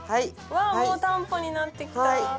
わぁもうたんぽになってきた。